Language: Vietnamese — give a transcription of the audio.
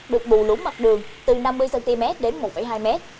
được bù lún mặt đường từ năm mươi cm đến một hai m